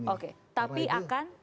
oke tapi akan